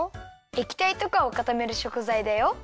えきたいとかをかためるしょくざいだよ。